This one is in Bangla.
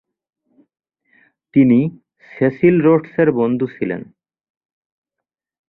তিনি সেসিল রোডসের বন্ধু ছিলেন।